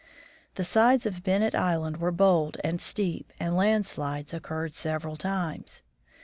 The sides of Ben nett island were bold and steep, and landslides occurred several times.